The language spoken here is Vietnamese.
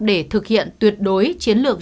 để thực hiện tuyệt đối chiến lược